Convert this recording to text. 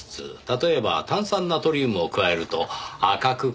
例えば炭酸ナトリウムを加えると赤く変わるんですよ。